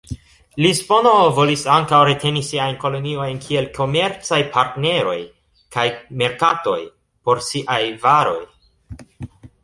Lisbono volis ankaŭ reteni siajn koloniojn kiel komercaj partneroj kaj merkatoj por siaj varoj.